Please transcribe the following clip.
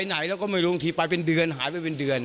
ก็เลยไม่รู้ว่าวันเกิดเหตุคือมีอาการมืนเมาอะไรบ้างหรือเปล่า